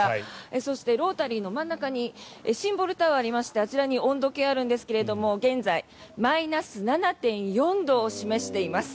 そしてロータリーの真ん中にシンボルタワーがありましてあちらに温度計があるんですが現在、マイナス７．４度を示しています。